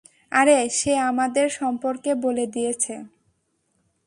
আরে, সে আমাদের সম্পর্কে বলে দিয়েছে।